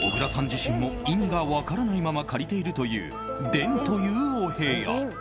自身も意味が分からないまま借りているというＤＥＮというお部屋。